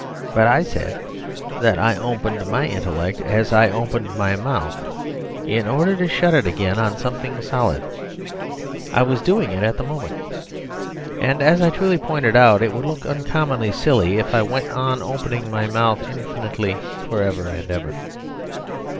But I said that I opened my intellect as I opened my mouth, in order to shut it again on something solid. I was doing it at the moment. And as I truly pointed out, it would look uncommonly silly if I went on opening my mouth infinitely, for ever and ever.